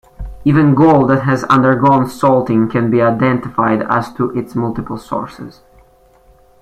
Even gold that has undergone salting can be identified as to its multiple sources.